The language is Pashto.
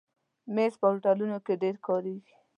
مېز په هوټلونو کې ډېر کارېږي.